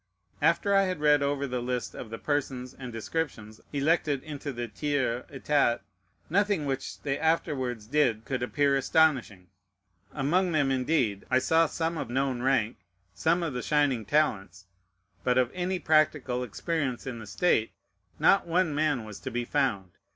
After I had read over the list of the persons and descriptions elected into the Tiers État, nothing which they afterwards did could appear astonishing. Among them, indeed, I saw some of known rank, some of shining talents; but of any practical experience in the state not one man was to be found.